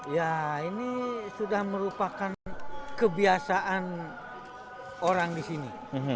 ya ini sudah merupakan kebiasaan orang di sini